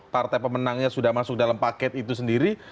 partai pemenangnya sudah masuk dalam paket itu sendiri